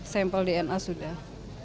sample dna sudah